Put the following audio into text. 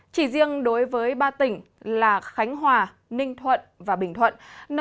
chỉ riêng đối với ba tỉnh là khánh hòa ninh thuận và bình thuận